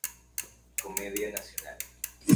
Comedia Nacional.